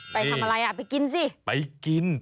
ไปทำอะไรไปกินสิ